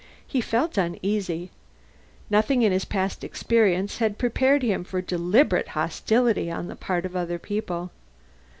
He felt uneasy; nothing in his past experience had prepared him for deliberate hostility on the part of other people.